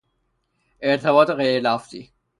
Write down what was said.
ارتباط غیرلفظی